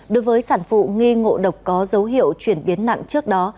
đối với sản phụ nghi ngộ độc có dấu hiệu chuyển biến nặng trước đó